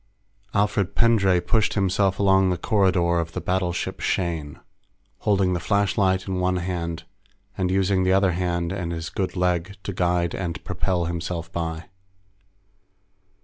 _ Alfred Pendray pushed himself along the corridor of the battleship Shane, holding the flashlight in one hand and using the other hand and his good leg to guide and propel himself by.